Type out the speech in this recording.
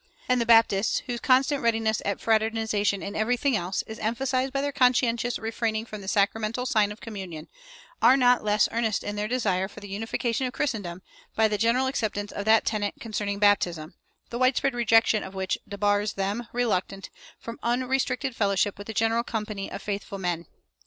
And the Baptists, whose constant readiness at fraternization in everything else is emphasized by their conscientious refraining from the sacramental sign of communion, are not less earnest in their desire for the unification of Christendom by the general acceptance of that tenet concerning baptism, the widespread rejection of which debars them, reluctant, from unrestricted fellowship with the general company of faithful men.